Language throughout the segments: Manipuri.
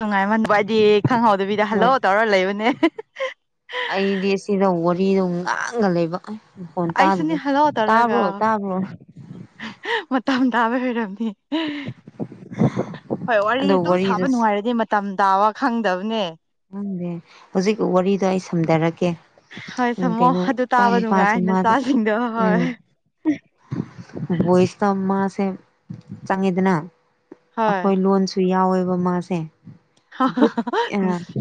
ꯅꯨꯡꯉꯥꯏꯃꯟꯕ ꯍꯥꯏꯗꯤ ꯈꯪꯍꯧꯗꯕꯤꯗ ꯍꯜꯂꯣ ꯍꯣꯏ ꯇꯧꯔ ꯂꯩꯕꯅꯦ ꯑꯩꯗꯤ ꯁꯤꯗ ꯋꯥꯔꯤꯗꯣ ꯉꯥꯡꯒ ꯂꯩꯕ ꯐꯣꯟ ꯑꯩꯁꯨꯅꯦ [unintelligible] ꯍꯜꯂꯣ ꯇꯧꯔꯒ ꯇꯥꯕ꯭ꯔꯣ ꯇꯥꯕ꯭ꯔꯣ ꯃꯇꯝ ꯇꯥꯕꯩ ꯑꯣꯏꯔꯝꯅꯤ ꯍꯣꯏ ꯋꯥꯔꯤ ꯑꯗꯣ ꯑꯗꯨꯝ ꯁꯥꯕ ꯋꯥꯔꯤꯗꯨ ꯅꯨꯡꯉꯥꯏꯔꯗꯤ ꯃꯇꯝ ꯇꯥꯕ ꯈꯪꯗꯕꯅꯦ ꯈꯪꯗꯦ ꯍꯧꯖꯤꯛ ꯋꯥꯔꯤꯗꯣ ꯑꯩ ꯁꯝꯗꯔꯛꯀꯦ ꯍꯣꯏ ꯎꯝ ꯁꯝꯃꯣ ꯀꯩꯅꯣ ꯑꯗꯨ ꯇꯥꯕ ꯏꯆꯥꯅꯨꯄꯥꯁꯨ ꯅꯨꯡꯉꯥꯏ ꯃꯥꯗꯣ ꯅꯆꯥꯁꯤꯡꯗꯣ ꯎꯝ ꯍꯣꯏ ꯕꯣꯏꯁꯇꯥ ꯃꯥꯁꯦ ꯆꯪꯉ‌ꯦꯗꯅꯥ ꯍꯣꯏ ꯑꯈꯣꯏ ꯂꯣꯟꯁꯨ ꯌꯥꯎꯋꯦꯕ ꯃꯥꯁꯦ ꯚꯨꯠ [unintelligible]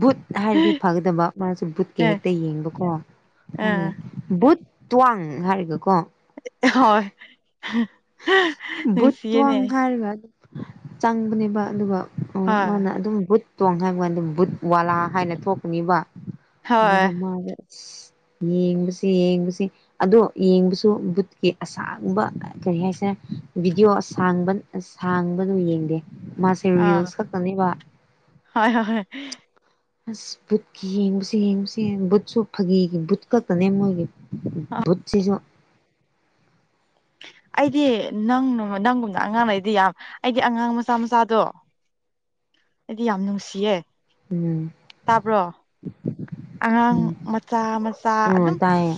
ꯕꯨꯠ ꯍꯥꯏꯔꯗꯤ ꯐꯒꯗꯕ ꯃꯥꯁꯨ ꯕꯨꯠꯀꯥ ꯑꯦ ꯍꯦꯛꯇꯥ ꯌꯦꯡꯕꯀꯣ ꯑꯥ [unintelligible] ꯕꯨꯠ ꯇ꯭ꯨꯋꯥꯡ ꯍꯥꯏꯔꯒꯀꯣ ꯍꯣꯏ ꯕꯨꯠ ꯅꯨꯡꯁꯤꯌꯦꯅꯦ ꯇ꯭ꯨꯋꯥꯡ ꯍꯥꯏꯔꯒ ꯑꯗꯨ ꯆꯪꯕꯅꯦꯕ ꯑꯗꯨꯒ ꯃꯥꯅ ꯍꯣꯏ ꯑꯗꯨꯝ ꯕꯨꯠ ꯇꯣꯡ ꯍꯥꯏꯕ ꯀꯥꯟꯗ ꯕꯨꯠ ꯋꯥꯂꯥ ꯍꯥꯏꯅ ꯊꯣꯛꯄꯅꯤꯕ ꯑꯗꯨꯗ ꯍꯣꯏ ꯃꯥꯖꯦ [inaudible] ꯌꯦꯡꯕꯁꯤ ꯌꯦꯡꯕꯁꯤ ꯑꯗꯣ ꯌꯦꯡꯕꯁꯨ ꯕꯨꯠꯀꯤ ꯑꯁꯥꯡꯕ ꯀꯔꯤ ꯍꯥꯏꯁꯦ ꯚꯕꯤꯗꯤꯑꯣ ꯑꯁꯥꯡꯕ ꯁꯥꯡꯕꯗꯨ ꯌꯦꯡꯗꯦ ꯃꯥꯁꯦ ꯑꯥ ꯔꯤꯜꯁ ꯈꯛꯇꯥꯅꯤꯕ ꯍꯣꯏ ꯍꯣꯏ ꯑꯁ ꯕꯨꯠꯀꯤ ꯌꯦꯡꯕꯁꯦ ꯌꯦꯡꯕꯁꯦ ꯕꯨꯠꯁꯨ ꯐꯥꯒꯤꯒꯤ ꯕꯨꯠ ꯈꯛꯇꯅꯦ ꯃꯣꯏꯒꯤ ꯕꯨꯠꯁꯤꯁꯨ ꯑꯩꯗꯤ ꯅꯪ ꯅꯪꯒꯨꯝꯅ ꯑꯉꯥꯡꯅꯩꯗꯤ ꯌꯥꯝ ꯑꯩꯒꯤ ꯑꯉꯥꯡ ꯃꯆꯥ ꯃꯆꯥꯗꯣ ꯑꯩꯗꯤ ꯌꯥꯝ ꯅꯨꯡꯁꯤꯌꯦ ꯎꯝ ꯇꯥꯕ꯭ꯔꯣ ꯑꯉꯥꯡ ꯎꯝ ꯃꯆꯥ ꯃꯆꯥ ꯎꯝ ꯑꯗꯨꯝ ꯇꯥꯏꯌꯦ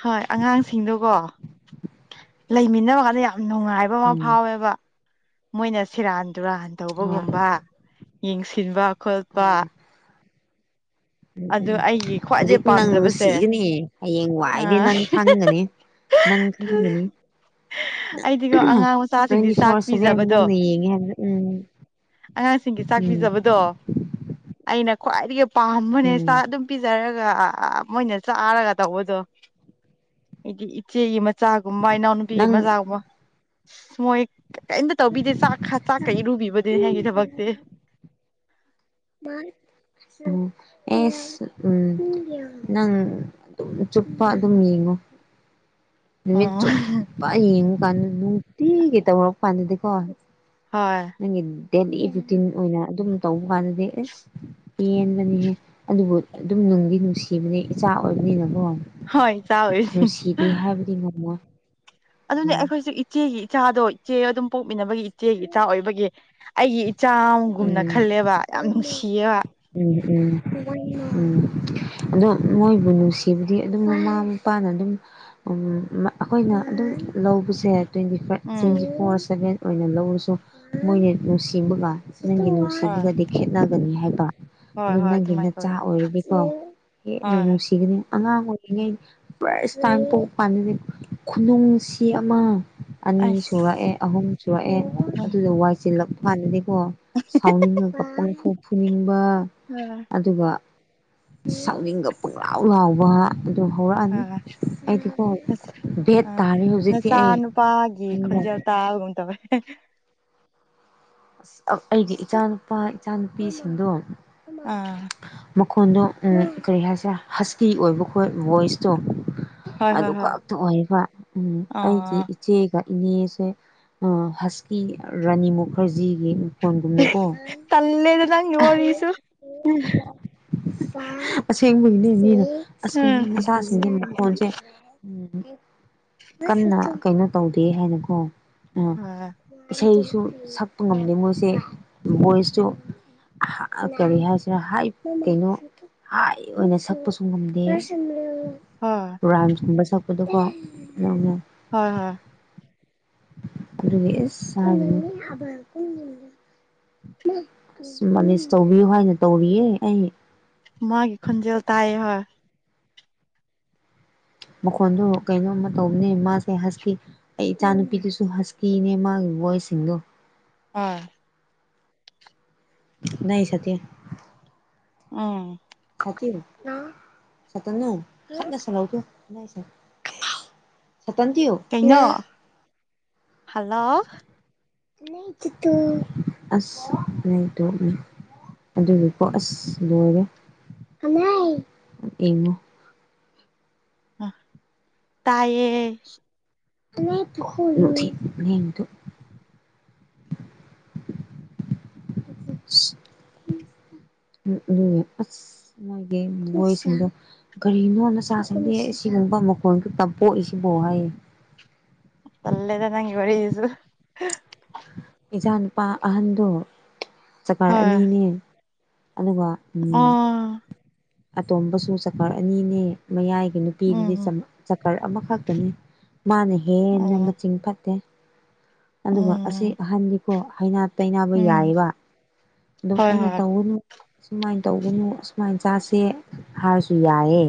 ꯍꯣꯏ ꯑꯉꯥꯡꯁꯤꯡꯗꯨꯀꯣ ꯂꯩꯃꯤꯟꯅꯕ ꯀꯥꯟꯗ ꯌꯥꯝ ꯅꯨꯡꯉꯥꯏꯕ ꯑꯃ ꯎꯝ ꯐꯥꯎꯋꯦꯕ ꯃꯣꯏꯅ ꯁꯦꯔꯥꯟ ꯇꯨꯔꯥꯟ ꯍꯣꯏ ꯇꯧꯕꯒꯨꯝꯕ ꯌꯦꯡꯁꯤꯟꯕ ꯈꯣꯠꯄ ꯎꯝ ꯎꯝ ꯑꯗꯨ ꯎꯝ ꯑꯩꯒꯤ ꯈ꯭ꯋꯥꯏꯗꯩ ꯍꯨꯖꯤꯛ ꯅꯪ ꯄꯥꯝꯖꯕꯁꯦ ꯅꯨꯡꯁꯤꯒꯅꯤ ꯍꯌꯦꯡ ꯑ ꯋꯥꯏꯗꯤ ꯅꯪ ꯈꯪꯒꯅꯤ ꯅꯪ ꯈꯪꯒꯅꯤ ꯅꯪ ꯑꯩꯗꯤꯀꯣ ꯑꯉꯥꯡ ꯃꯆꯥꯁꯤꯡꯁꯦ ꯇ꯭ꯋꯦꯟꯇꯤ ꯆꯥꯛ ꯐꯣꯔ ꯁꯚꯦꯟ ꯄꯤꯖꯕꯗꯣ ꯅꯪꯅ ꯌꯦꯡꯉꯦ ꯍꯥꯏꯕꯗꯣ ꯎꯝ ꯑꯉꯥꯡꯁꯤꯡꯒꯤ ꯆꯥꯛ ꯎꯝ ꯄꯤꯖꯕꯗꯣ ꯑꯩꯅ ꯈ꯭ꯋꯥꯏꯗꯒꯤ ꯄꯥꯝꯕꯅꯦ ꯎꯝ ꯆꯥꯛ ꯑꯗꯨꯝ ꯄꯤꯖꯔꯒ ꯃꯣꯏꯅ ꯆꯥꯔꯒ ꯇꯧꯕꯗꯣ ꯑꯩꯒꯝ ꯏꯆꯦꯒꯤ ꯃꯆꯥꯒꯨꯝꯕ ꯏꯅꯥꯎꯅꯨꯄꯤꯒꯤ ꯅꯪ ꯃꯆꯥꯒꯨꯝꯕ ꯃꯣꯏ ꯀꯔꯤꯝꯇꯥ ꯇꯧꯕꯤꯗꯦ ꯆꯥꯛ ꯈꯥ ꯆꯥꯛꯀꯥ ꯏꯔꯨꯕꯤꯕꯗꯤ ꯍꯥꯏꯒꯤ ꯊꯕꯛꯇꯤ ꯎꯝ ꯑꯦꯁ ꯎꯝ ꯅꯪ ꯑꯗꯨꯝ ꯆꯨꯞꯄ ꯑꯗꯨꯝ ꯌꯦꯡꯉꯣ ꯅꯨꯃꯤꯠ ꯑꯣ ꯆꯨꯞꯄ ꯌꯦꯡꯉꯣ ꯀꯥꯟꯗ ꯅꯨꯡꯇꯤꯒꯤ ꯇꯧꯔꯛꯄ ꯀꯥꯟꯗꯗꯤꯀꯣ ꯍꯣꯏ ꯅꯪꯒꯤ ꯗꯦꯂꯤ ꯔꯨꯇꯤꯟ ꯑꯣꯏꯅ ꯑꯗꯨꯝ ꯇꯧꯕ ꯀꯥꯟꯗꯗꯤ ꯏꯁ ꯄꯦꯟꯕꯅꯦꯍꯦ ꯑꯗꯨꯕꯨ ꯑꯗꯨꯝ ꯅꯨꯡꯗꯤ ꯅꯨꯡꯁꯤꯕꯅꯦ ꯏꯆꯥ ꯑꯣꯏꯕꯅꯤꯅꯀꯣ ꯍꯣꯏ ꯏꯆꯥ ꯑꯣꯏꯔꯤꯁꯤ ꯅꯨꯡꯨꯁꯤꯗꯦ ꯍꯥꯏꯕꯗꯤ ꯉꯝꯃꯣꯏ ꯑꯗꯨꯅꯦ ꯎꯝ ꯑꯩꯈꯣꯏꯁꯨ ꯏꯆꯦꯒꯤ ꯏꯆꯥꯗꯣ ꯏꯆꯦ ꯑꯗꯨꯝ ꯄꯣꯛꯃꯤꯟꯅꯕꯒꯤ ꯏꯆꯦꯒꯤ ꯏꯆꯥ ꯑꯣꯏꯕꯒꯤ ꯑꯩꯒꯤ ꯏꯆꯥ ꯑꯃꯒꯨꯝꯅ ꯎꯝ ꯈꯜꯂꯦꯕ ꯌꯥꯝ ꯅꯨꯡꯁꯤꯌꯦꯕ ꯎꯝ ꯎꯝ ꯎꯝ ꯑꯗꯣ ꯃꯣꯏꯕꯨ ꯅꯨꯡꯁꯤꯕꯗꯤ ꯑꯗꯨꯝ ꯃꯃꯥ ꯄꯥꯅ ꯑꯗꯨꯝ ꯎꯝ ꯑꯈꯣꯏꯅ ꯑꯗꯨꯝ ꯂꯧꯕꯁꯦ ꯇ꯭ꯋꯦꯟꯇꯤ ꯐꯥꯏꯚ ꯎꯝ ꯇ꯭ꯋꯦꯟꯇꯤ ꯐꯣꯔ ꯁꯚꯦꯟ ꯑꯣꯏꯅ ꯂꯧꯔꯁꯨ ꯃꯣꯏꯅ ꯅꯨꯡꯁꯤꯕꯒ ꯅꯪꯒꯤ ꯍꯣꯏ ꯁꯤꯕꯒꯗꯤ ꯈꯦꯠꯅꯒꯅꯤ ꯍꯥꯏꯕ ꯍꯣꯏ ꯑꯗꯨ ꯍꯣꯏ ꯅꯪꯒꯤ ꯑꯗꯨꯃꯥꯏꯅ ꯅꯆꯥ ꯇꯧꯋꯦ ꯑꯣꯏꯔꯗꯤꯀꯣ ꯍꯦꯟꯅ ꯍꯣꯏ ꯅꯨꯡꯁꯤꯒꯅꯤ ꯑꯉꯥꯡ ꯑꯣꯏꯔꯤꯉꯩ ꯄ꯭ꯔꯁ ꯇꯥꯏꯝ ꯄꯣꯛꯄ ꯀꯥꯟꯗꯗꯤ ꯈꯨꯅꯨꯡꯁꯤ ꯑꯃ ꯑꯅꯤ ꯑꯁ ꯁꯨꯔꯛꯑꯦ ꯑꯍꯨꯝ ꯁꯨꯔꯛꯑꯦ ꯑꯗꯨꯗ ꯋꯥꯏ ꯆꯤꯜꯂꯛꯄ ꯀꯥꯟꯗꯗꯤꯀꯣ ꯁꯥꯎꯅꯤꯡꯉꯒ ꯄꯡꯐꯨ ꯐꯨꯅꯤꯡꯕ ꯎꯝ ꯑꯗꯨꯒ ꯁꯥꯎꯅꯤꯡꯒ ꯄꯨꯡꯂꯥꯎ ꯂꯥꯎꯕ ꯑꯗꯨ ꯍꯧꯔꯛꯑꯅꯤ ꯑꯩꯗꯤꯀꯣ ꯑꯁ ꯕꯦꯠ ꯑꯥ ꯇꯥꯔꯦ ꯍꯧꯖꯤꯛꯇꯤ ꯅꯆꯥ ꯑꯩ ꯅꯨꯄꯥꯒꯤ ꯈꯪꯕ꯭ꯔꯥ ꯈꯣꯟꯖꯦꯜ ꯇꯥꯕꯒꯨꯝ ꯇꯧꯋꯦ [unintelligible] ꯑꯁ ꯑꯩꯒꯤ ꯏꯆꯥꯅꯨꯄꯥ ꯏꯆꯥ ꯅꯨꯨꯄꯤꯁꯤꯡꯗꯣ ꯑꯥ ꯃꯈꯣꯟꯗꯣ ꯀꯔꯤ ꯍꯥꯏꯁꯤꯔꯥ ꯍꯁꯀꯤ ꯑꯣꯏꯕ ꯈꯣꯏ ꯚꯣꯏꯁꯇꯣ ꯍꯣꯏ ꯍꯣꯏ ꯑꯗꯨ ꯍꯣꯏ ꯈꯛꯇ ꯑꯣꯏꯕ ꯎꯝ ꯑꯩꯗꯤ ꯑꯥ ꯏꯆꯦꯒ ꯏꯅꯦꯁꯦ ꯑꯥ ꯍꯁꯀꯤ ꯔꯥꯅꯤ ꯃꯨꯈꯔꯖꯤꯒꯤ ꯐꯣꯟ ꯒꯨꯝꯅꯀꯣ ꯇꯜꯂꯦꯗ ꯅꯪꯒꯤ ꯋꯥꯔꯤꯁꯨ ꯑꯁꯦꯡꯕꯩꯅꯦ ꯃꯤꯅ ꯑꯁ ꯎꯝ ꯀꯩꯅꯣ ꯅꯆꯥꯁꯤꯡꯗꯤ ꯃꯈꯣꯟꯁꯦ ꯎꯝ ꯀꯟꯅ ꯀꯩꯅꯣ ꯇꯧꯗꯦ ꯍꯥꯏꯅꯀꯣ ꯎꯝ ꯍꯣꯏ ꯏꯁꯩꯁꯨ ꯁꯛꯄ ꯉꯝꯗꯦ ꯃꯣꯏꯁꯦ ꯚꯣꯏꯁꯁꯨ ꯀꯔꯤ ꯍꯥꯏꯁꯤꯔ ꯍꯥꯏ ꯀꯩꯅꯣ ꯍꯥꯏ ꯑꯣꯏꯅ ꯁꯛꯄꯁꯨ ꯉꯝꯗꯦ ꯍꯣꯏ ꯔꯥꯏꯝꯁꯀꯨꯝꯕ ꯁꯛꯄꯗꯀꯣ [inaudible] ꯍꯣꯏ ꯍꯣꯏ ꯑꯗꯨꯨꯅꯦ ꯏꯁ [unintelligible] ꯑꯁ ꯃꯥꯂꯤꯁ ꯇꯧꯕꯤꯌꯨ ꯍꯥꯏꯅ ꯇꯧꯔꯤꯌꯦ ꯑꯩ ꯃꯥꯒꯤ ꯈꯣꯟꯖꯦꯜ ꯇꯥꯏꯌꯦ ꯍꯣꯏ ꯃꯈꯣꯟꯗꯣ ꯀꯩꯅꯣꯝꯃ ꯇꯧꯕꯅꯦ ꯃꯥꯁꯦ ꯍꯁꯀꯤ ꯑꯩ ꯏꯆꯥ ꯅꯨꯨꯄꯤꯗꯨꯁꯨ ꯍꯁꯀꯤꯅꯦ ꯃꯥꯒꯤ ꯚꯣꯏꯁꯁꯤꯡꯗꯣ ꯑꯥ [unintelligible] ꯎꯝ [unintelligible] [unintelligible] ꯀꯩꯅꯣ ꯍꯜꯂꯣ ꯑꯁ ꯂꯩꯇꯨꯅꯤ ꯑꯗꯨꯅꯤꯀꯣ ꯑꯁ ꯂꯣꯏꯔꯦ ꯌꯦꯡꯉꯣ ꯑ ꯇꯥꯌꯦ [unintelligible] ꯑꯁ ꯃꯥꯒꯤ ꯚꯣꯏꯁꯤꯡꯗꯣ ꯀꯔꯤꯅꯣ ꯅꯆꯥꯁꯤꯡꯁꯦ ꯑꯁꯤꯒꯨꯝꯕ ꯃꯈꯣꯟ ꯈꯛꯇ ꯄꯣꯛꯏꯁꯤꯕꯣ ꯍꯥꯏꯌꯦ ꯇꯜꯂꯦꯗ ꯅꯪ ꯋꯥꯔꯤꯁꯤꯁꯨ ꯏꯆꯥ ꯅꯨꯨꯄꯥ ꯑꯍꯟꯗꯣ ꯆꯀꯔ ꯍꯣꯏ ꯑꯅꯤꯅꯦ ꯑꯗꯨꯒ ꯎꯝ ꯑꯣ ꯑꯇꯣꯝꯕꯁꯨ ꯆꯀꯔ ꯑꯅꯤꯅꯦ ꯃꯌꯥꯏꯒꯤ ꯅꯨꯄꯤ ꯅꯨꯄꯤꯗꯨꯗꯤ ꯎꯝ ꯆꯝ ꯆꯀꯔ ꯑꯃꯈꯛꯇꯅꯦ ꯃꯥꯅ ꯍꯦꯟꯅ ꯑꯣ ꯃꯆꯤꯡ ꯐꯠꯇꯦ ꯑꯗꯨꯒ ꯑꯁꯤ ꯎꯝ ꯑꯍꯟꯗꯤꯀꯣ ꯍꯥꯏꯅ ꯇꯩꯅꯕ ꯎꯝ ꯌꯥꯏꯕ ꯑꯗꯨꯝ ꯍꯣꯏ ꯑꯩꯅ ꯍꯣꯏ ꯇꯧꯒꯅꯨ ꯁꯨꯃꯥꯏꯅ ꯇꯧꯒꯅꯨ ꯑꯁꯨꯃꯥꯏꯅ ꯆꯥꯁꯦ ꯍꯥꯏꯔꯁꯨ ꯌꯥꯌꯦ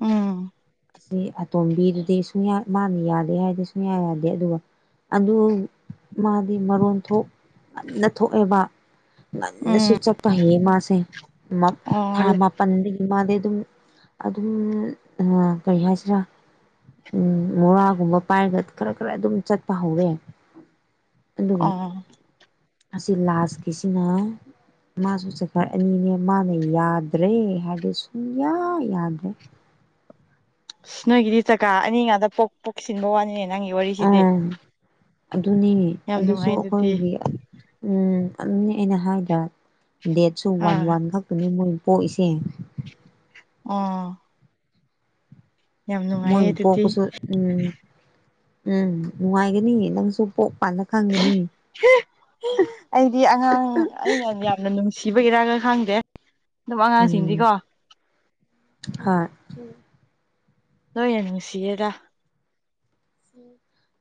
ꯎꯝ ꯑꯁꯤ ꯑꯇꯣꯝꯕꯤꯗꯨꯗꯤ ꯁꯨꯡꯌꯥ ꯃꯥꯅ ꯌꯥꯗꯦ ꯍꯥꯏꯔꯗꯤ ꯁꯨꯡꯌꯥ ꯌꯥꯗꯦ ꯑꯗꯨꯒ ꯑꯗꯨ ꯃꯥꯗꯤ ꯃꯔꯣꯟ ꯊꯣꯛ ꯉꯟꯅ ꯊꯣꯛꯑꯦꯕ ꯉꯟꯅꯁꯨ ꯎꯝ ꯆꯠꯄ ꯍꯩꯌꯦ ꯃꯥꯁꯦ ꯑꯣ ꯊꯥ ꯄꯟꯕꯒꯤ ꯃꯥꯗꯤ ꯑꯗꯨꯝ ꯑꯗꯨꯝ ꯑ ꯀꯔꯤ ꯍꯥꯏꯁꯤꯔꯥ ꯎꯝ ꯃꯣꯔꯥꯒꯨꯝꯕ ꯄꯥꯏꯔꯒ ꯈꯔ ꯈꯔ ꯑꯗꯨꯝ ꯆꯠꯄ ꯍꯧꯋꯦ ꯑꯗꯨꯒ ꯑꯣ ꯑꯁꯤ ꯂꯥꯁꯀꯤꯁꯤꯅ ꯃꯥꯁꯨ ꯆꯀꯔ ꯑꯅꯤꯅꯦ ꯃꯥꯅ ꯌꯥꯗ꯭ꯔꯦ ꯍꯥꯏꯔꯗꯤ ꯁꯨꯡꯌꯥ ꯌꯥꯗ꯭ꯔꯦ ꯑꯁ ꯅꯣꯏꯒꯤꯗꯤ ꯆꯀꯥ ꯑꯅꯤ ꯉꯥꯗ ꯄꯣꯛ ꯄꯣꯛꯁꯤꯟꯕ ꯋꯥꯅꯤꯅꯦ ꯅꯪꯒꯤ ꯋꯥꯔꯤꯁꯤꯗꯤ ꯑꯗꯨꯅꯤ ꯌꯥꯝ ꯑꯗꯨꯁꯨ ꯅꯨꯡꯉꯥꯏ ꯑꯗꯨꯗꯤ ꯑꯩꯈꯣꯏꯒꯤ ꯎꯝ ꯑꯗꯨꯅꯤ ꯑꯩꯅ ꯍꯥꯏꯗ꯭ꯔ ꯗꯦꯠꯁꯨ ꯋꯥꯟ ꯑꯥ ꯋꯥꯟ ꯉꯥꯛꯇꯅꯦ ꯃꯣꯏ ꯄꯣꯛꯏꯁꯦ ꯑꯣ ꯌꯥꯝ ꯃꯣꯏ ꯅꯨꯡꯉꯥꯏꯌꯦ ꯑꯗꯨꯗꯤ ꯄꯣꯛꯄꯁꯨ ꯎꯝ ꯎꯝ ꯅꯨꯡꯉꯥꯏꯒꯅꯤ ꯅꯪꯁꯨ ꯄꯣꯛ ꯀꯥꯟꯗ ꯈꯪꯒꯅꯤ ꯍꯦ ꯑꯩꯗꯤ ꯑꯉꯥꯡ ꯑꯩꯅ ꯌꯥꯝꯅ ꯅꯨꯡꯁꯤꯕꯒꯤꯔꯒ ꯈꯪꯗꯦ ꯑꯗꯨꯝ ꯎꯝ ꯑꯉꯥꯡꯁꯤꯡꯗꯤꯀꯣ ꯍꯣꯏ ꯂꯣꯏꯅ ꯅꯨꯡꯁꯤꯌꯦꯗ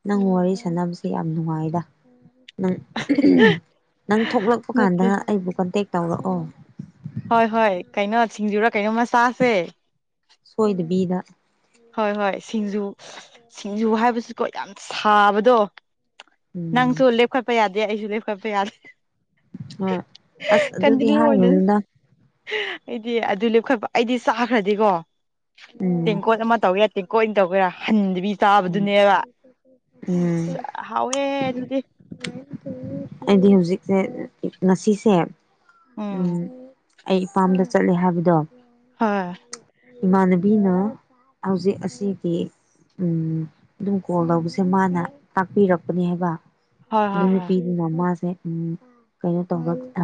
ꯅꯪ ꯋꯥꯔꯤ ꯁꯥꯟꯅꯕꯁꯦ ꯌꯥꯝ ꯅꯨꯡꯉꯥꯏꯗ ꯅꯪ ꯅꯪ ꯊꯣꯛꯂꯛꯄ ꯅꯠꯇꯦ ꯀꯥꯟꯗ ꯑꯩꯕꯨ ꯀꯣꯟꯇꯦꯛ ꯇꯧꯔꯛꯑꯣ ꯍꯣꯏ ꯍꯣꯏ ꯀꯩꯅꯣ ꯁꯤꯡꯖꯨꯔꯥ ꯀꯩꯅꯣꯝꯃ ꯆꯥꯥꯁꯦ ꯁꯣꯏꯗꯕꯤꯗ ꯍꯣꯏ ꯍꯣꯏ ꯁꯤꯡꯖꯨ ꯁꯤꯡꯖꯨ ꯍꯥꯏꯕꯁꯤꯀꯣ ꯌꯥꯝ ꯁꯥꯕꯗꯣ ꯎꯝ ꯅꯪꯁꯨ ꯂꯦꯞꯈꯠꯄ ꯌꯥꯗꯦ ꯑꯩꯁꯨ ꯂꯦꯞꯈꯠꯄ ꯌꯥꯗꯦ ꯍꯣꯏ ꯑꯁ ꯑꯗꯨꯗꯤ ꯀꯟꯇꯤꯅ꯭ꯌꯨ ꯑꯣꯏꯅ ꯍꯥꯏꯔꯨꯅꯨꯗ ꯑꯩꯗꯤ ꯑꯗꯨ ꯂꯦꯞꯈꯠꯄ ꯑꯩꯗꯤ ꯆꯥꯈ꯭ꯔꯗꯤꯀꯣ ꯎꯝ ꯇꯦꯡꯀꯣꯠ ꯑꯃ ꯇꯧꯒꯦꯔꯥ ꯇꯦꯡꯀꯣꯇ ꯑꯣꯏ ꯇꯧꯒꯦꯔꯥ ꯍꯟꯗꯕꯤ ꯎꯝ ꯆꯥꯕꯗꯨꯅꯦꯕ ꯎꯝ ꯏꯁ ꯍꯥꯎꯋꯦ ꯑꯗꯨꯗꯤ ꯑꯩꯗꯤ ꯍꯧꯖꯤꯛꯁꯦ ꯉꯁꯤꯁꯦ ꯎꯝ ꯑꯩ ꯏꯄꯥꯝꯗ ꯆꯠꯂꯦ ꯍꯥꯏꯕꯗꯣ ꯍꯣꯏ ꯏꯃꯥꯟꯅꯕꯤꯅ ꯍꯧꯖꯤꯛ ꯑꯁꯤꯒꯤ ꯎꯝ ꯑꯗꯨꯝ ꯀꯣꯜ ꯂꯧꯕꯁꯦ ꯃꯥꯅ ꯇꯥꯛꯄꯤꯔꯛꯄꯅꯦ ꯍꯥꯏꯕ ꯍꯣꯏ ꯑꯗꯨ ꯍꯣꯏ ꯅꯨꯄꯤ ꯑꯗꯨꯅ ꯃꯥꯁꯦ ꯎꯝ ꯀꯩꯅꯣ ꯇꯧꯕ ꯑ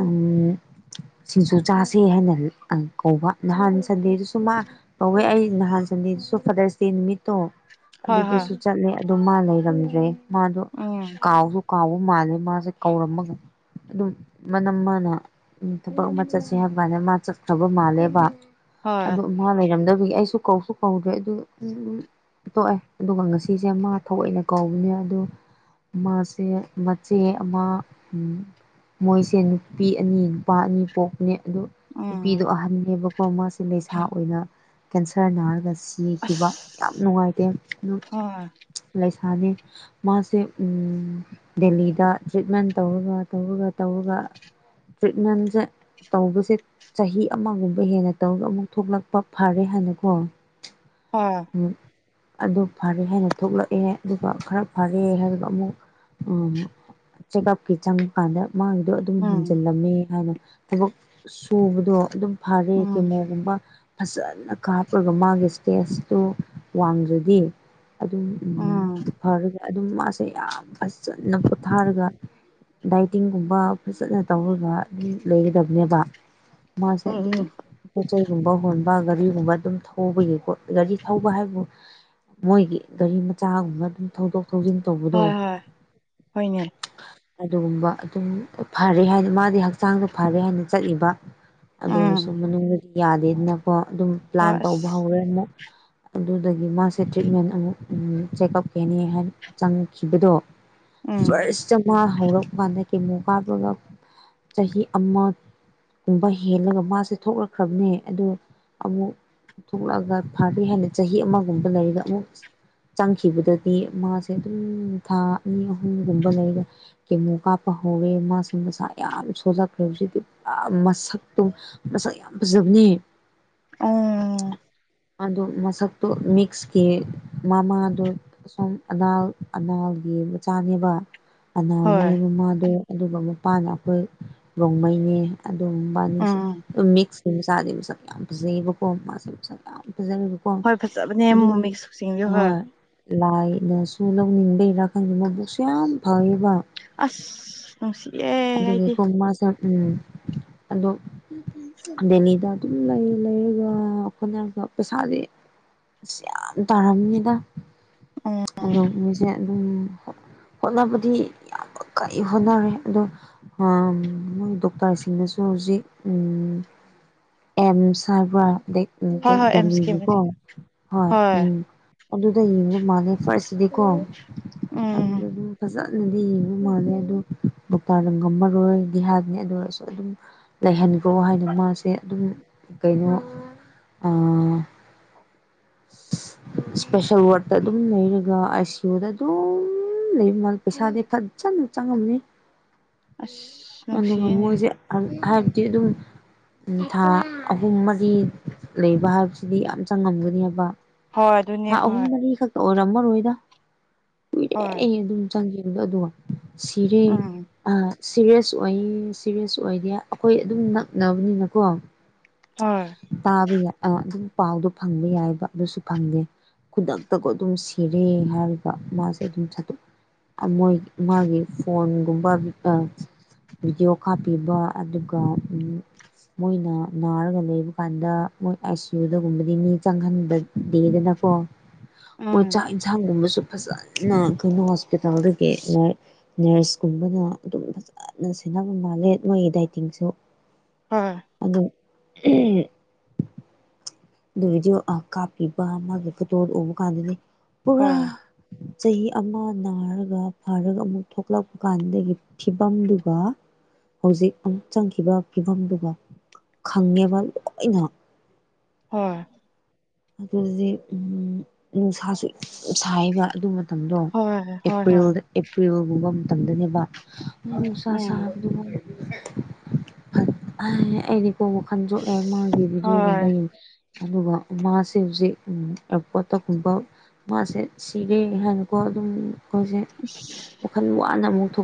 ꯎꯝ ꯁꯤꯡꯖꯨ ꯆꯥꯁꯦ ꯍꯥꯏꯅ ꯑ ꯀꯧꯕ ꯅꯍꯥꯟ ꯁꯟꯗꯦꯗꯨꯁꯨ ꯃꯥ ꯀꯧꯋꯦ ꯑꯩ ꯅꯍꯥꯟ ꯁꯟꯗꯦꯗꯨꯁꯨ ꯁꯦꯇ꯭ꯔꯁꯗꯦ ꯅꯨꯃꯤꯠꯇꯣ ꯍꯣꯏ ꯍꯣꯏ ꯍꯣꯏ ꯑꯗꯨꯗꯁꯨ ꯆꯠꯂꯦ ꯑꯗꯨ ꯃꯥ ꯂꯩꯔꯝꯗ꯭ꯔꯦ ꯃꯥꯗꯣ ꯎꯝ ꯀꯥꯎꯁꯨ ꯀꯥꯎꯕ ꯃꯥꯜꯂꯦ ꯃꯥꯁꯦ ꯀꯧꯔꯝꯃꯒ ꯑꯗꯨꯝ ꯃꯅꯝ ꯃꯥꯅ ꯊꯕꯛ ꯑꯃ ꯆꯠꯁꯦ ꯍꯥꯏꯕꯗ ꯃꯥ ꯆꯠꯈ꯭ꯔꯕ ꯃꯥꯜꯂꯦꯕ ꯍꯣꯏ ꯑꯗꯨ ꯃꯥ ꯂꯩꯔꯝꯗꯕꯒꯤ ꯑꯩꯁꯨ ꯀꯧꯁꯨ ꯀꯧꯗ꯭ꯔꯦ ꯑ ꯑꯗꯨ ꯇꯣꯛꯑꯦ ꯑꯗꯨꯒ ꯉꯁꯤꯁꯦ ꯃꯥ ꯊꯑꯣꯏꯅ ꯀꯧꯕꯅꯦ ꯑꯗꯨ ꯃꯥꯁꯦ ꯃꯆꯦ ꯑꯃ ꯃꯣꯏꯁꯦ ꯅꯨꯄꯤ ꯑꯅꯤ ꯅꯨꯄꯥ ꯑꯅꯤ ꯄꯣꯛꯄꯅꯦ ꯑꯗꯨ ꯅꯨꯄꯤꯗꯣ ꯎꯝ ꯑꯍꯟꯅꯦꯕꯀꯣ ꯃꯥꯁꯦ ꯂꯩꯁꯥ ꯑꯣꯏꯅ ꯀꯦꯟꯁꯔ ꯅꯥꯔꯒ ꯁꯤ ꯑꯁ ꯁꯤꯕ ꯌꯥꯝ ꯅꯨꯡꯉꯥꯏꯇꯦ ꯑꯗꯨ ꯍꯣꯏ ꯂꯩꯁꯥꯅꯤ ꯃꯥꯁꯦ ꯎꯝ ꯗꯦꯜꯂꯤꯗ ꯇ꯭ꯔꯤꯠꯃꯦꯟ ꯇꯧꯔꯒ ꯇꯧꯔꯒ ꯇꯧꯔꯒ ꯇ꯭ꯔꯤꯠꯃꯦꯟꯁꯦ ꯇꯧꯕꯁꯦ ꯆꯍꯤ ꯑꯃꯒꯨꯝꯕ ꯍꯦꯟꯅ ꯇꯧꯔꯒ ꯑꯃꯨꯛ ꯊꯣꯛꯂꯛꯄ ꯐꯔꯦ ꯍꯥꯏꯅ ꯀꯣ ꯍꯥ ꯎꯝ ꯑꯗꯨ ꯐꯔꯦ ꯍꯥꯏꯅ ꯊꯣꯛꯂꯛꯑꯦ ꯑꯗꯨꯒ ꯈꯔ ꯐꯔꯦ ꯍꯥꯏꯔꯒ ꯑꯃꯨꯛ ꯎꯝ ꯆꯦꯒꯞꯀꯤ ꯆꯪꯕꯀꯥꯟꯗ ꯃꯥꯒꯤꯗꯨ ꯑꯗꯨꯝ ꯎꯝ ꯍꯦꯟꯖꯜꯂꯝꯃꯦ ꯍꯥꯏꯅ ꯊꯕꯛ ꯁꯨꯕꯗꯣ ꯑꯗꯨꯝ ꯐꯔꯦ ꯎꯝ ꯀꯦꯃꯣꯒꯨꯝꯕ ꯐꯖꯅ ꯀꯥꯞꯄꯒ ꯃꯥꯒꯤ ꯁ꯭ꯇꯦꯁꯇꯨ ꯋꯥꯡꯗ꯭ꯔꯗꯤ ꯑꯗꯨꯝ ꯎꯝ ꯐꯔꯒ ꯑꯗꯨꯝ ꯃꯥꯁꯦ ꯌꯥꯝ ꯐꯖꯅ ꯄꯣꯊꯥꯔꯒ ꯗꯥꯏꯇꯤꯡꯒꯨꯝꯕ ꯐꯖꯅ ꯇꯧꯔꯒ ꯑꯗꯨꯝ ꯂꯩꯒꯗꯕꯅꯦꯕ ꯃꯥꯁꯦ ꯎꯝ ꯑꯗꯨꯝ ꯎꯝ ꯄꯣꯠ ꯆꯩꯩꯒꯨꯝꯕ ꯍꯣꯟꯕ ꯒꯥꯔꯤꯒꯨꯝꯕ ꯑꯗꯨꯝ ꯊꯧꯕꯒꯤꯀꯣ ꯒꯥꯔꯤ ꯊꯧꯕ ꯍꯥꯏꯕꯨ ꯃꯣꯏꯒꯤ ꯒꯥꯔꯤ ꯃꯆꯥꯒꯨꯝꯕ ꯑꯗꯨꯝ ꯊꯧꯗꯣꯛ ꯊꯧꯖꯤꯟ ꯇꯧꯕꯗꯣ ꯍꯣꯏ ꯍꯣꯏ ꯍꯣꯏꯅꯦ ꯑꯗꯨꯒꯨꯝꯕ ꯑꯗꯨꯝ ꯐꯔꯦ ꯍꯥꯏꯗꯤ ꯃꯥꯗꯤ ꯍꯛꯆꯥꯡꯗꯨ ꯐꯔꯦ ꯍꯥꯏꯅ ꯆꯠꯂꯤꯕ ꯑꯗꯨ ꯑꯣꯏꯔꯁꯨ ꯎꯝ ꯃꯅꯨꯡꯗꯗꯤ ꯌꯥꯗꯦꯗꯅꯀꯣ ꯑꯗꯨꯝ ꯄ꯭ꯂꯥꯟ ꯍꯣꯏ ꯇꯧꯕ ꯑꯁ ꯍꯧꯔꯦ ꯑꯃꯨꯛ ꯑꯗꯨꯗꯒꯤ ꯃꯥꯁꯦ ꯇ꯭ꯔꯤꯠꯃꯦꯟ ꯑꯃꯨꯛ ꯎꯝ ꯆꯦꯛꯑꯞꯀꯦꯅꯤ ꯍꯥꯏꯅ ꯆꯪꯈꯤꯕꯗꯣ ꯎꯝ ꯐꯥꯔꯁꯇꯥ ꯃꯥ ꯍꯧꯔꯛꯄ ꯀꯥꯟꯗ ꯀꯦꯃꯣ ꯀꯥꯞꯄꯒ ꯆꯍꯤ ꯑꯃ ꯀꯨꯨꯝꯕ ꯍꯦꯜꯂꯒ ꯃꯥꯁꯦ ꯊꯣꯛꯂꯛꯈ꯭ꯔꯕꯅꯦ ꯑꯗꯣ ꯑꯃꯨꯛ ꯊꯣꯛꯂꯛꯑꯒ ꯐꯔꯦ ꯍꯥꯏꯅ ꯆꯍꯤ ꯑꯃꯒꯨꯝꯕ ꯂꯩꯔꯒ ꯑꯃꯨꯛꯁ ꯆꯪꯈꯤꯕꯗꯗꯤ ꯃꯥꯁꯦ ꯑꯗꯨꯝ ꯊꯥ ꯑꯅꯤ ꯑꯍꯨꯝꯒꯨꯝꯕ ꯂꯩꯔꯦ ꯀꯦꯃꯨ ꯀꯥꯞꯄ ꯍꯧꯋꯦ ꯃꯥꯁꯤꯡ ꯃꯁꯥ ꯌꯥꯝ ꯁꯣꯜꯂꯛꯈ꯭ꯔꯦ ꯍꯧꯖꯤꯛꯇꯤ ꯄꯨꯔꯥ ꯃꯁꯛꯇꯨꯝ ꯃꯁꯛ ꯌꯥꯝ ꯐꯖꯕꯅꯦ [unintelligible] ꯑꯗꯨ ꯃꯁꯛꯇꯨ ꯃꯤꯛꯁꯀꯤ ꯃꯃꯥꯗꯨ ꯑꯁꯨꯝ ꯑꯅꯥꯜ ꯑꯅꯥꯜꯒꯤ ꯃꯆꯥꯅꯦꯕ ꯑꯅꯥꯜꯅꯦ ꯍꯣꯏ ꯃꯃꯥꯗꯣ ꯑꯗꯨꯒ ꯃꯄꯥꯅ ꯑꯈꯣꯏ ꯔꯣꯡꯃꯩꯅꯦ ꯑꯗꯨꯝꯕꯅꯤꯁꯦ ꯎꯝ ꯑꯗꯨꯝ ꯃꯤꯛꯁꯀꯤ ꯃꯆꯥꯗꯤ ꯄꯁꯛ ꯌꯥꯝ ꯐꯖꯩꯌꯦꯕꯀꯣ ꯃꯥꯁꯦ ꯄꯁꯛ ꯌꯥꯝ ꯐꯖꯩꯕꯗꯣ ꯀꯣ ꯍꯣꯏ ꯐꯖꯕꯅꯦ ꯑꯗꯨꯅꯤ ꯃꯤꯛꯁ ꯁꯤꯡꯗꯣ ꯍꯣꯏ ꯂꯥꯏꯅꯁꯨ ꯂꯧꯅꯤꯡꯕꯩꯔ ꯈꯪꯗꯦ ꯃꯕꯨꯛꯁꯨ ꯌꯥꯝ ꯐꯌꯦꯕ ꯑꯁ ꯅꯨꯡꯁꯤꯌꯦ ꯑꯗꯨꯒꯤ ꯑꯩꯗꯤ ꯀꯣ ꯃꯁꯤ ꯎꯝ ꯑꯗꯣ ꯗꯦꯜꯂꯤꯗ ꯑꯗꯨꯝ ꯂꯩ ꯂꯩꯔꯒ ꯍꯣꯠꯅꯕ ꯄꯩꯁꯥꯗꯤ ꯑꯁ ꯌꯥꯝ ꯇꯥꯔꯝꯅꯤꯗ ꯑꯗꯣ ꯃꯤꯁꯦ ꯑꯗꯨꯝ ꯍꯣꯠ ꯍꯣꯠꯅꯕꯗꯤ ꯌꯥꯝ [unintelligible] ꯍꯣꯠꯅꯔꯦ ꯑꯗꯣ ꯑꯥꯝ ꯃꯣꯏ ꯗꯣꯛꯇꯔꯁꯤꯡꯅꯁꯨ ꯍꯧꯖꯤꯛ ꯎꯝ ꯑꯦꯝꯁ ꯍꯥꯏꯕ꯭ꯔ ꯗꯦꯛ ꯍꯣꯏ ꯗꯦꯛ ꯍꯣꯏ ꯑꯦꯝꯁꯀꯤ ꯗꯦꯜꯂꯤꯒꯤꯀꯣ ꯍꯣꯏ ꯎꯝ ꯑꯗꯨꯗ ꯌꯦꯡꯕ ꯃꯥꯜꯂꯦ ꯐꯥꯔꯁꯁꯤꯗꯤꯀꯣ ꯎꯝ ꯑꯗꯨꯗ ꯑꯗꯨꯝ ꯐꯖꯥ ꯀꯟꯅꯗꯤ ꯌꯦꯡꯕ ꯃꯥꯜꯂꯦ ꯑꯗꯨ ꯗꯣꯛꯇꯔꯅ ꯉꯝꯃꯔꯣꯏꯗꯤ ꯍꯥꯏꯕꯅꯦ ꯑꯗꯨ ꯑꯣꯏꯔꯁꯨ ꯑꯗꯨꯝ ꯂꯩꯍꯟꯒ꯭ꯔꯣ ꯍꯥꯏꯅ ꯃꯥꯁꯦ ꯑꯗꯨꯝ ꯀꯩꯅꯣ ꯑꯥ [inaudible] ꯁ꯭ꯄꯦꯁꯦꯜ ꯋꯥꯔꯗꯠꯇ ꯑꯗꯨꯝ ꯂꯩꯔꯒ ꯑꯥꯏ ꯁꯤ ꯌꯨ ꯗ ꯑꯗꯨꯝ ꯗꯨꯝ ꯂꯩꯕ ꯃꯥꯜꯂꯤ ꯄꯩꯁꯥꯗꯤ ꯐꯖꯅ ꯆꯪꯉꯝꯅꯤ ꯑꯁ ꯑꯗꯨꯒ ꯅꯨꯡꯁꯤꯌꯦꯅꯦ ꯃꯣꯏꯖꯦ ꯑꯝ ꯍꯥꯏꯕꯗꯤ ꯑꯗꯨꯝ ꯊꯥ ꯑꯍꯨꯝ ꯃꯔꯤ ꯂꯩꯕ ꯍꯥꯏꯕꯁꯤꯗꯤ ꯌꯥꯝ ꯆꯪꯉꯝꯒꯅꯦꯕ ꯍꯣꯏ ꯑꯗꯨꯅꯦ ꯊꯥ ꯑꯍꯨꯝ ꯍꯣꯏ ꯃꯔꯤꯈꯛ ꯇ ꯑꯣꯏꯔꯝꯃꯔꯣꯏꯗ ꯍꯣꯏ ꯀꯨꯏꯔꯦꯌꯦ ꯑꯗꯨꯝ ꯆꯪꯒꯤꯕꯒ ꯑꯗꯨꯒ ꯁꯤꯔ‌ꯦ ꯎꯝ ꯑ ꯁꯤꯔꯤꯌꯁ ꯑꯣꯏꯌꯦ ꯁꯤꯔꯤꯌꯁ ꯑꯣꯏꯗꯦ ꯑꯩꯈꯣꯏ ꯑꯗꯨꯝ ꯅꯛꯅꯕꯅꯤꯅꯀꯣ ꯍꯣꯏ ꯇꯥꯕ ꯌꯥꯏ ꯑ ꯑꯗꯨꯝ ꯄꯥꯎꯗꯣ ꯐꯪꯕ ꯌꯥꯏꯕ ꯑꯗꯨꯁꯨ ꯐꯪꯗꯦ ꯈꯨꯗꯛꯇꯀꯣ ꯑꯗꯨꯝ ꯁꯤꯔꯦ ꯍꯥꯏꯔꯤꯒ ꯃꯥꯁꯦ ꯑꯗꯨꯝ ꯁꯠꯇꯣꯛ ꯑ ꯃꯣꯏ ꯃꯥꯒꯤ ꯐꯣꯟꯒꯨꯝꯕ ꯑ ꯚꯤꯗꯤꯑꯣ ꯈꯥꯞꯄꯤꯕ ꯑꯗꯨꯒ ꯎꯝ ꯃꯣꯏꯅ ꯅꯥꯔꯒ ꯂꯩꯕ ꯀꯥꯟꯗ ꯃꯣꯏ ꯑꯥꯏ ꯁꯤ ꯌꯨꯗꯒꯨꯝꯕꯗꯤ ꯃꯤ ꯆꯪꯍꯟꯗꯗꯦꯗꯅꯀꯣ ꯃꯣꯏ ꯎꯝ ꯆ ꯌꯦꯟꯁꯥꯡ ꯒꯨꯝꯕꯁꯨ ꯐꯖꯅ ꯑꯩꯈꯣꯏꯅ ꯍꯣꯁꯄꯤꯇꯥꯜ ꯗꯒꯤ ꯂꯥꯏ ꯅꯔꯁꯀꯨꯝꯕꯅ ꯑꯗꯨꯝ ꯐꯖꯅ ꯁꯦꯟꯅꯕ ꯃꯥꯜꯂꯦ ꯃꯣꯏꯒꯤ ꯗꯥꯏꯇꯤꯡꯁꯨ ꯍꯣꯏ ꯑꯗꯣ ꯑꯗꯨ ꯚꯗꯤꯑꯣ ꯀꯥꯞꯄꯤꯕ ꯃꯥꯒꯤ ꯐꯇꯣꯗ ꯎꯕ ꯀꯥꯟꯗꯗꯤ ꯄꯨꯔꯥ ꯍꯣꯏ ꯆꯍꯤ ꯑꯃ ꯅꯥꯔꯒ ꯐꯔꯒ ꯑꯃꯨꯛ ꯊꯣꯛꯂꯛꯄ ꯀꯥꯟꯗꯒꯤ ꯐꯤꯕꯝꯗꯨꯒ ꯍꯧꯖꯤꯛ ꯑꯃꯨꯛ ꯆꯪꯈꯤꯕ ꯐꯤꯕꯝꯗꯨꯒ ꯈꯪꯉꯦꯕ ꯂꯣꯏꯅ ꯍꯣꯏ ꯑꯗꯨꯗꯗꯤ ꯎꯝ ꯅꯨꯡꯁꯥꯁꯨ ꯁꯥꯏꯕ ꯑꯗꯨ ꯃꯇꯝꯗꯣ ꯍꯣꯏ ꯍꯣꯏ ꯍꯣꯏ ꯑꯦꯄ꯭ꯔꯤꯜꯗ ꯄ꯭ꯔꯤꯜꯒꯨꯝꯕ ꯃꯇꯝꯗꯅꯦꯕ ꯅꯨꯡꯁꯥ ꯎꯝ ꯁꯥꯕꯗꯨ ꯑꯩꯗꯤ ꯀꯣ ꯋꯥ ꯈꯟ [unintelligible] ꯃꯥꯒꯤ ꯍꯣꯏ ꯚꯤꯗꯤꯑꯣꯒꯨꯝꯕ ꯌꯦꯡ ꯑꯗꯨꯒ ꯃꯥꯁꯦ ꯍꯧꯖꯤꯛ ꯎꯝ ꯑꯦꯌꯥꯔꯄꯣꯔꯠ ꯇꯒꯨꯝꯕ ꯃꯥꯁꯦ ꯁꯤꯔꯦ ꯍꯥꯏꯅꯀꯣ ꯑꯗꯨꯝ ꯑꯩꯈꯣꯏꯁꯦ ꯏꯁ ꯋꯥꯈꯟ ꯋꯥꯅ ꯑꯃꯨꯛ ꯊꯣꯛ